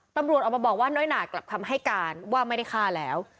ตำรวจออกมาบอกว่าน้อยหนากลับคำให้การว่าไม่ได้ฆ่าแล้ว